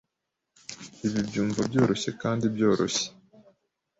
Ibi byumva byoroshye kandi byoroshye.